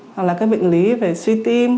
hoặc là các bệnh lý về suy tim